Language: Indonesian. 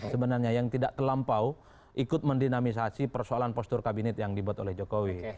sebenarnya yang tidak terlampau ikut mendinamisasi persoalan postur kabinet yang dibuat oleh jokowi